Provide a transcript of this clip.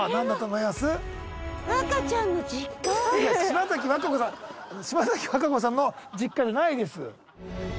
いや島崎和歌子さんの実家じゃないです